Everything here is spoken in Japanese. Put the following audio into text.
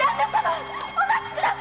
お待ちください！